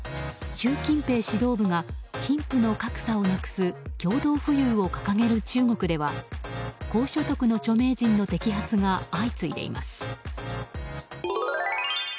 習近平指導部が貧富の格差をなくす共同富裕を掲げる中国では高所得の著名人の摘発が相次いでいます。